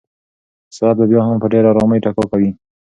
ساعت به بیا هم په ډېرې ارامۍ ټکا کوي.